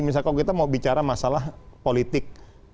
misalkan kita mau bicara masalah politik